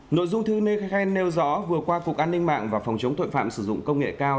nội dung thư nêu khai nêu rõ vừa qua cục an ninh mạng và phòng chống tội phạm sử dụng công nghệ cao